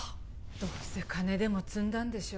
どうせ金でも積んだんでしょ